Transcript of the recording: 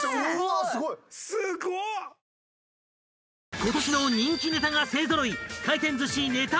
［今年の人気ネタが勢揃い！］